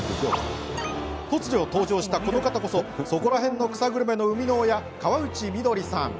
突如、登場したこの方こそそこらへんの草グルメの生みの親河内みどりさん。